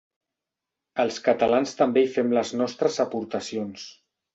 Els catalans també hi fem les nostres aportacions.